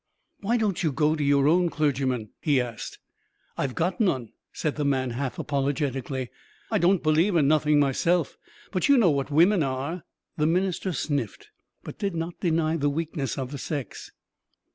"Why don't you go to your own clergyman?" he asked. "I've got none," said the man half apologetically. "I don't believe in nothing myself. But you know what women are!" The minister sniffed, but did not deny the weakness of the sex.